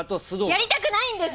やりたくないんです！